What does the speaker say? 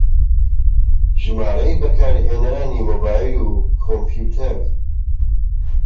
ژمارەی بەکارهێنەرانی مۆبایل و کۆمپیوتەر